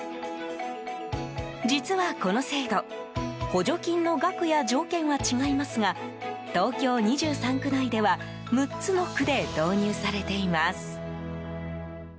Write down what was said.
実はこの制度補助金の額や条件は違いますが東京２３区内では６つの区で導入されています。